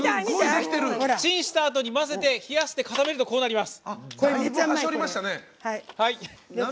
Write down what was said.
チンしたあとに混ぜて冷やして、固めるとこうなります！